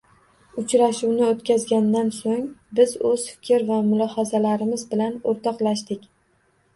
Uchrashuvni oʻtkazgandan soʻng, biz oʻz fikr va mulohazalarimiz bilan oʻrtoqlashdik